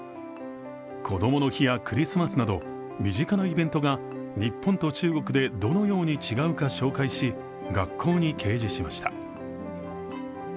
こどもの日やクリスマスなど身近なイベントが日本と中国でどのように違うか紹介し、学校に掲示しました。